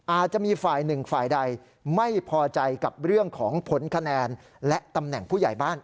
อาจจะมีฝ่ายหนึ่งฝ่ายใดไม่พอใจกับเรื่องของผลคะแนนและตำแหน่งผู้ใหญ่บ้าน